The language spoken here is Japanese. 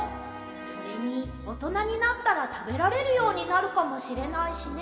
それにおとなになったらたべられるようになるかもしれないしね。